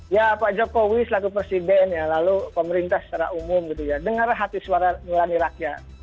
ya pak jokowi selagi presiden lalu pemerintah secara umum dengarlah hati suara mulani rakyat